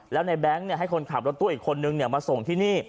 แล้วในแบงค์ให้คนขับรถตู้อีกคนนึงมาส่งที่นี่